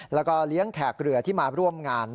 แล้วก็เลี้ยงแขกเรือที่มาร่วมงาน